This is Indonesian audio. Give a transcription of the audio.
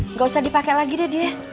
nggak usah dipakai lagi deh dia